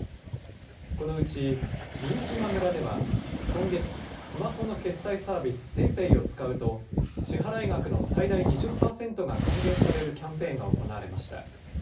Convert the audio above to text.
このうち、新島村では今月、スマホの決済サービス、ＰａｙＰａｙを使うと、支払い額の最大２０％が還元されるキャンペーンが行われました。